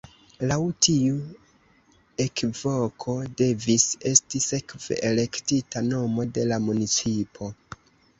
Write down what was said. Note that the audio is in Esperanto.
Laŭ tiu ekvoko devis esti sekve elektita nomo de la municipo.